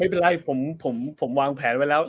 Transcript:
ไม่เป็นไรผมวางแผนไว้แล้ว